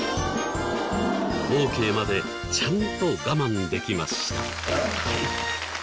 オーケーまでちゃんと我慢できました。